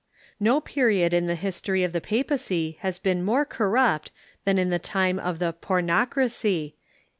No period in the history of the papacy has been more cor rupt than the time of the Pornocracy, a.